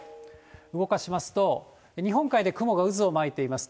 動かしますと、日本海で雲が渦を巻いています。